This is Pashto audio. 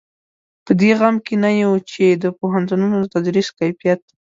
په دې غم کې نه یو چې د پوهنتونونو د تدریس کیفیت.